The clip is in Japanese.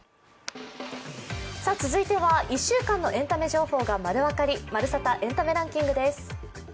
続いては１週間のエンタメ情報がまる分かり、「まるサタ！エンタメランキング」です。